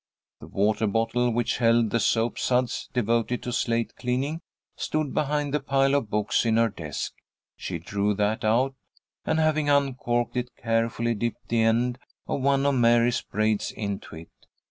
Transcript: The water bottle, which held the soap suds devoted to slate cleaning, stood behind the pile of books in her desk. She drew that out, and, having uncorked it, carefully dipped the end of one of Mary's braids into it.